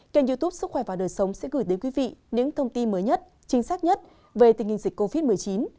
kênh youtube sức khỏe và đời sống sẽ gửi đến quý vị những thông tin mới nhất chính xác nhất về tình hình dịch covid một mươi chín